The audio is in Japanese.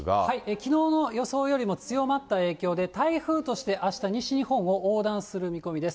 きのうの予想よりも強まった影響で、台風として、あした西日本を横断する見込みです。